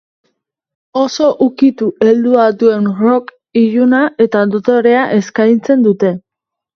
Oso ukitu heldua duen rock iluna eta dotorea eskaintzen dute.